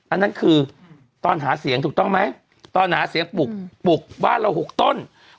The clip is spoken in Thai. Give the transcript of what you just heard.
อันนั้นคือตอนหาเสียงถูกต้องไหมตอนหาเสียงปลุกปลุกบ้านเรา๖ต้น